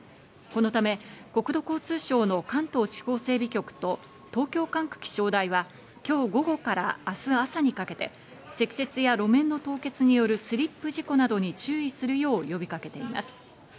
このため国土交通省の関東地方整備局と東京管区気象台は、今日午後から明日朝にかけて、積雪や路面の凍結によるスリップ事故などに注意するよう呼びかけています。